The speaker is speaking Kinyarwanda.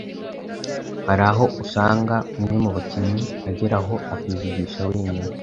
Hari aho usanga umwe mu bakinnyi agera aho akivugisha wenyine